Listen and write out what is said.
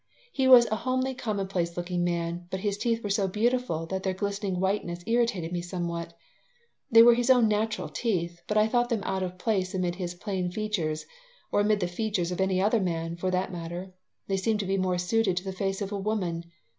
He was a homely, commonplace looking man, but his teeth were so beautiful that their glistening whiteness irritated me somewhat. They were his own natural teeth, but I thought them out of place amid his plain features, or amid the features of any other man, for that matter. They seemed to be more suited to the face of a woman.